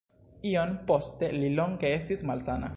Iom poste li longe estis malsana.